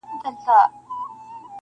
د ریا بازار یې بیا رونق پیدا کړ,